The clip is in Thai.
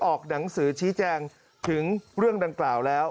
ออกหนังสือชี้แจงถึงเรื่องดังกล่าวแล้ว